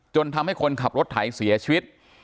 จนทำให้คนขับรถไถเสียชีวิต